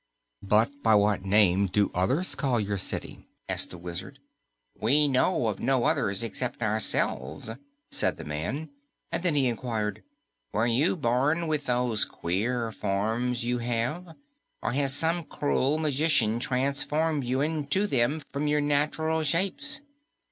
"But by what name do others call your city?" asked the Wizard. "We know of no others except yourselves," said the man. And then he inquired, "Were you born with those queer forms you have, or has some cruel magician transformed you to them from your natural shapes?"